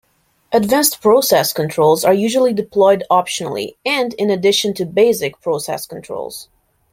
Advanced process controls are usually deployed optionally and in addition to "basic" process controls.